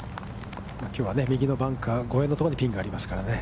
きょうは右のバンカー越えのところにピンがありますからね。